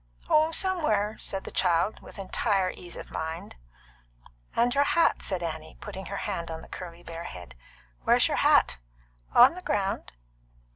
"Oh, somewhere," said the child, with entire ease of mind. "And your hat?" said Annie, putting her hand on the curly bare head "where's your hat?" "On the ground."